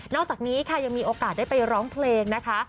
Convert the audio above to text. อกจากนี้ค่ะยังมีโอกาสได้ไปร้องเพลงนะคะ